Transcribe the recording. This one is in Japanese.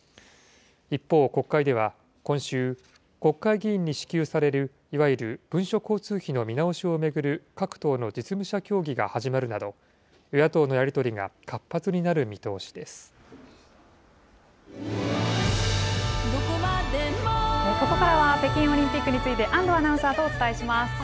一方、国会では今週、国会議員に支給されるいわゆる文書交通費の見直しを巡る各党の実務者協議が始まるなど、与野党のやり取りがここからは北京オリンピックについて、安藤アナウンサーとお伝えします。